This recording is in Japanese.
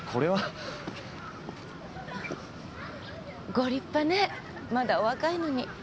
ご立派ねまだお若いのに。